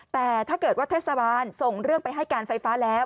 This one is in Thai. แต่ถ้าเกิดว่าเทศบาลส่งเรื่องไปให้การไฟฟ้าแล้ว